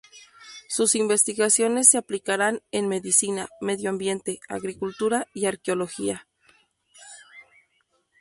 Sus investigaciones se aplicarán en Medicina, Medio Ambiente, Agricultura y Arqueología.